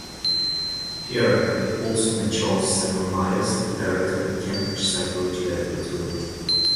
Here, he also met Charles Samuel Myers, the Director of the Cambridge Psychology Laboratory.